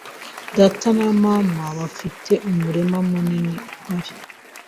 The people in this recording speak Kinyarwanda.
Data na mama bafite umurima munini uhari.